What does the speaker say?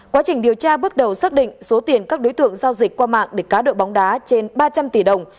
quá trình điều tra bước đầu xác định số tiền các đối tượng giao dịch qua mạng để cá độ bóng đá trên ba trăm linh tỷ đồng